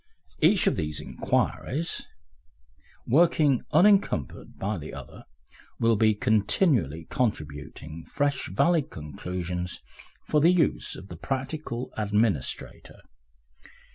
Each of these inquiries, working unencumbered by the other, will be continually contributing fresh valid conclusions for the use of the practical administrator.